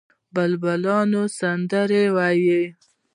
بلبلانو سندرې ویلې.